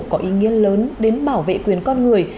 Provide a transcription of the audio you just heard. có ý nghĩa lớn đến bảo vệ quyền con người